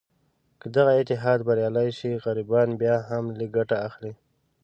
که دغه اتحاد بریالی شي، غریبان بیا هم لږه ګټه اخلي.